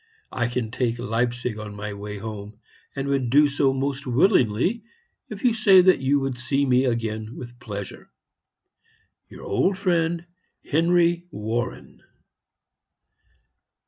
I can take Leipzig on my way home, and would do so most willingly if you say that you would see me again with pleasure. "Your old friend, "HENRY WARREN."